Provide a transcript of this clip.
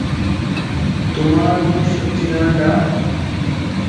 তোমার ভবিষ্যৎ ঠিকানাটা?